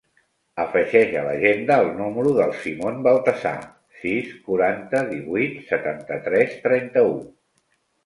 Afegeix a l'agenda el número del Simon Baltasar: sis, quaranta, divuit, setanta-tres, trenta-u.